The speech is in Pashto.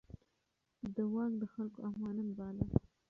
ده واک د خلکو امانت باله.